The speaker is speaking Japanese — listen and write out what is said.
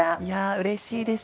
うれしいです。